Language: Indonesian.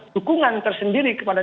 dukungan tersendiri kepada